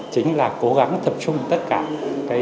chính là cố gắng thập trung tất cả